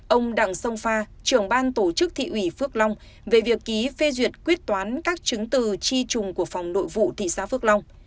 ông đặng sông pha trưởng ban tổ chức thị ủy phước long về việc ký phê duyệt quyết toán các chứng từ tri trùng của phòng nội vụ thị xã phước long